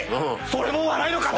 それも笑いの形！